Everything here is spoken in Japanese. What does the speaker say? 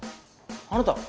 あなた。